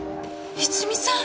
泉さん！？